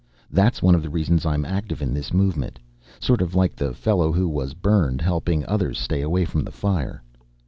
That's one of the reasons I'm active in this movement sort of like the fellow who was burned helping others stay away from the fire."